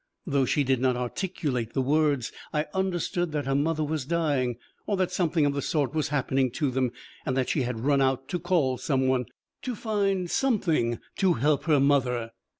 Though she did not articulate the words, I understood that her mother was dying, or that something of the sort was happening to them, and that she had run out to call some one, to find something to help her mother.